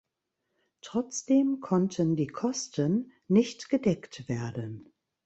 Trotzdem konnten die Kosten nicht gedeckt werden.